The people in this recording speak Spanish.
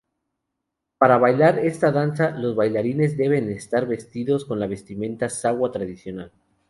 Para bailar esta danza, los bailarines deben estar vestidos con la vestimenta sawa tradicional.